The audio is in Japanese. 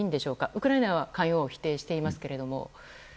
ウクライナは関与を否定していますが。